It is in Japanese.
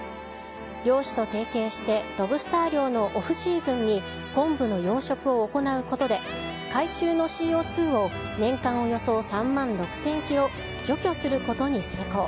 漁師と提携して、ロブスター漁のオフシーズンに昆布の養殖を行うことで、海中のＣＯ２を年間およそ３万６０００キロ除去することに成功。